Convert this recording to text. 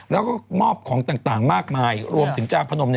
แล้วก็มอบของต่างมากมายรวมถึงจานพนม